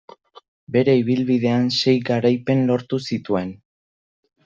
Bere ibilbidean sei garaipen lortu zituen.